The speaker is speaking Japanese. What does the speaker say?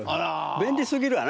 便利すぎますね。